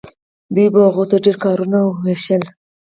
دوی به هغو ته ډیر کارونه ویشل.